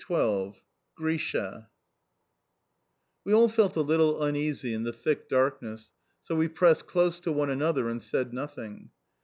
XII GRISHA WE all felt a little uneasy in the thick darkness, so we pressed close to one another and said nothing.